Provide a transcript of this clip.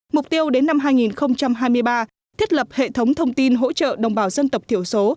mục tiêu đến năm hai nghìn hai mươi ba thiết lập hệ thống thông tin hỗ trợ đồng bào dân tộc thiểu số